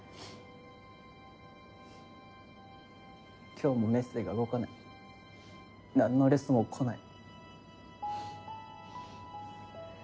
今日もメッセが動かない何のレスも来ない。